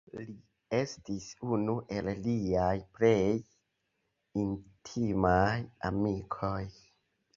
Li estis unu el liaj plej intimaj amikoj.